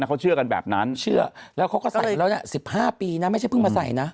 เขาเชื่อกันแบบนั้นเชื่อแล้วเขาก็ใส่ไปแล้ว๑๕ปีนะไม่ใช่เพิ่งมาใส่นะ